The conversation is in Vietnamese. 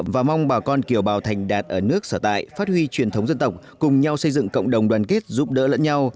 và mong bà con kiều bào thành đạt ở nước sở tại phát huy truyền thống dân tộc cùng nhau xây dựng cộng đồng đoàn kết giúp đỡ lẫn nhau